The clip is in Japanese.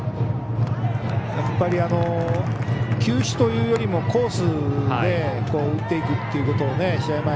やっぱり球種というよりもコースで打っていくっていうことを試合